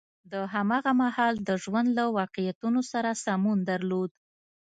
د هماغه مهال د ژوند له واقعیتونو سره سمون درلود.